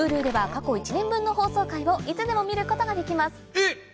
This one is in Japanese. Ｈｕｌｕでは過去１年分の放送回をいつでも見ることができますえ！